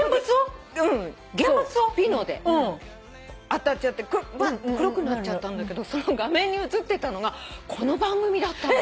当たっちゃって黒くなっちゃったんだけどその画面に映ってたのがこの番組だったの。